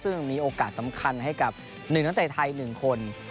ซึ่งมีโอกาสสำคัญให้กับหนึ่งตั้งแต่ไทยหนึ่งคน